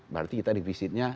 berarti kita defisitnya lima